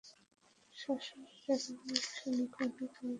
সব সময় এই ধরনের মানুষের মুখোমুখি হতে হয়।